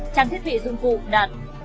trang thiết bị dụng cụ đạt